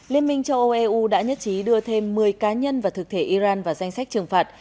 liên minh châu âu eu đã nhất trí đưa thêm một mươi cá nhân và thực thể iran vào danh sách trừng phạt